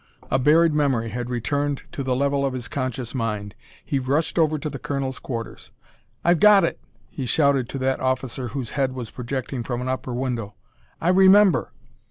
A buried memory had returned to the level of his conscious mind. He rushed over to the colonel's quarters. "I've got it," he shouted to that officer whose head was projecting from an upper window. "I remember!